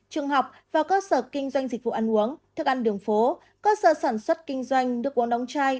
trường học và cơ sở kinh doanh dịch vụ ăn uống thức ăn đường phố cơ sở sản xuất kinh doanh nước uống đóng chai